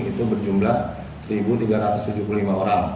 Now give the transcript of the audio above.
itu berjumlah satu tiga ratus tujuh puluh lima orang